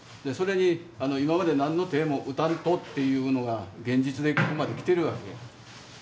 それに今まで何の手も打たんとっていうのが現実でここまで来てるわけや。